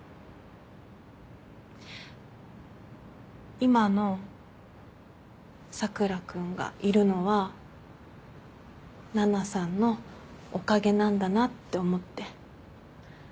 今の佐倉君がいるのは奈々さんのおかげなんだなって思って。